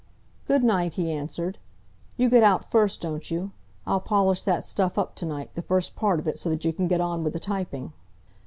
"Good night!" he answered. "You get out first, don't you? I'll polish that stuff up to night, the first part of it, so that you can get on with the typing."